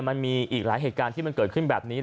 มันมีอีกหลายเหตุการณ์ที่มันเกิดขึ้นแบบนี้